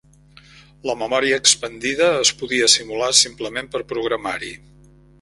La memòria expandida es podia simular simplement per programari.